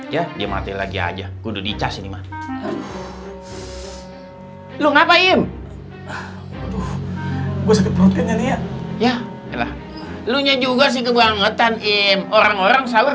saya bisa menjadi seorang ibu dan seorang ayah